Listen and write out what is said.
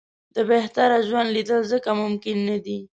د بهتره ژوند لېدل ځکه ممکن نه دي.